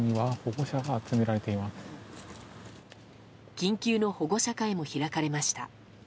緊急の保護者会も開かれました。